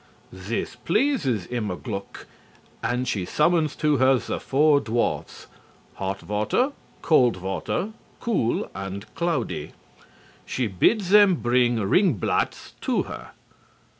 This pleases Immerglück and she summons to her the four dwarfs: Hot Water, Cold Water, Cool, and Cloudy. She bids them bring Ringblattz to her.